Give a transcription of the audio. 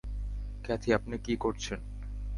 Kathy, আপনি কি করছেন?